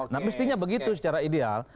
nah mestinya begitu secara ideal